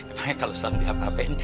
makanya kalau selalu diapa apain